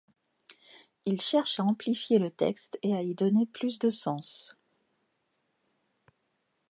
Ils cherchent à amplifier le texte et à y donner plus de sens.